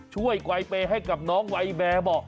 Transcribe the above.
ช่วยไกวเปรย์ให้กับน้องไวเมร์บ่